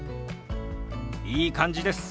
いい感じです。